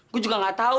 gua juga gak tahu